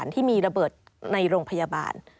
ที่มีระเบิดในโรงพยาบาล